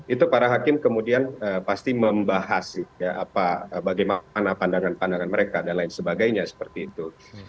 itu para hakim kemudian pasti membahas bagaimana pandangan pandangan mereka dan lain sebagainya seperti itu